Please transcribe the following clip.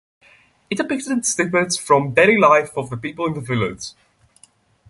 It depicted snippets from daily life of the people of the village.